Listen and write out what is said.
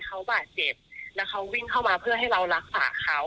เขาบาดเจ็บแล้วเขาวิ่งเข้ามาเพื่อให้เรารักษาเขา